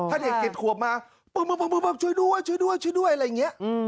ถ้าเด็ก๗ขวบมาปึ๊บช่วยด้วยช่วยด้วยช่วยด้วยอะไรอย่างนี้